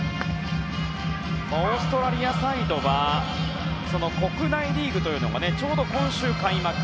オーストラリアサイドは国内リーグというのがちょうど今週、開幕。